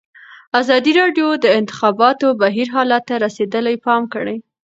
ازادي راډیو د د انتخاباتو بهیر حالت ته رسېدلي پام کړی.